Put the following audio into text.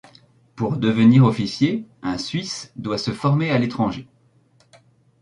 Pour devenir officier, un Suisse doit se former à l'étranger.